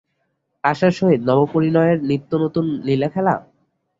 আশার সহিত নবপরিণয়ের নিত্যনূতন লীলাখেলা?